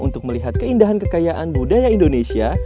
untuk melihat keindahan kekayaan budaya indonesia